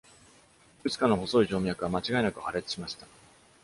いくつかの細い静脈は間違いなく破裂しました